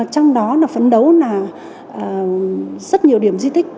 trong đó là phấn đấu là rất nhiều điểm di tích